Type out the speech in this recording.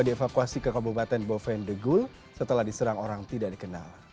dievakuasi ke kabupaten bovendegul setelah diserang orang tidak dikenal